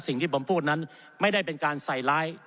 สิ่งที่ผมพูดนั้นไม่ได้เป็นการใส่ร้าย